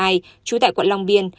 trú tại quận long biên